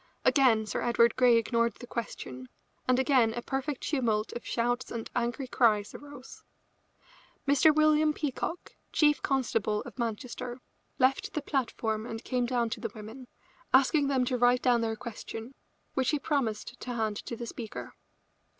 Again Sir Edward Grey ignored the question, and again a perfect tumult of shouts and angry cries arose. Mr. William Peacock, chief constable of Manchester, left the platform and came down to the women, asking them to write their question, which he promised to hand to the speaker.